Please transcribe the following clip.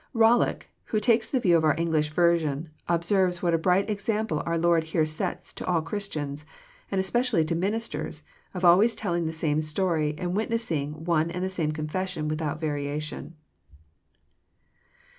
RoUock, who takes the view of our English version, observes what a bright example onr Lord here sets to all Christians, and especially to ministers, of always telling the same story, and witnessing one and the same confession without variation.